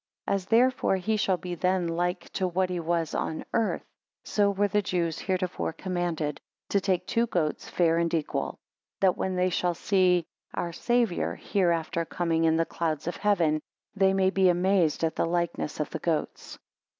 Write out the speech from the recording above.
12 As therefore he shall be then like to what he was on earth, so were the Jews heretofore commanded, to take two goats fair and equal; that when they shall see (our Saviour) hereafter coming (in the clouds of heaven), they may be amazed at the likeness of the goats.